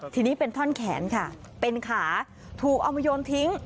ทีนี้เป็นท่อนแขนค่ะเป็นขาถูกเอามาโยนทิ้ง